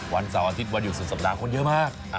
วันเสาร์อาทิตย์วันหยุดสุดสัปดาห์คนเยอะมาก